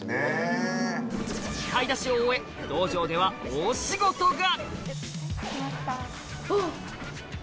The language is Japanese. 買い出しを終え道場では大仕事が！